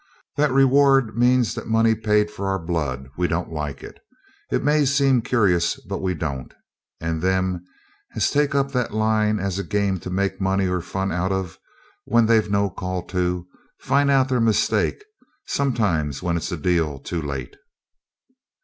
That reward means the money paid for our blood. WE DON'T LIKE IT. It may seem curious, but we don't; and them as take up the line as a game to make money or fun out of, when they've no call to, find out their mistake, sometimes when it's a deal too late.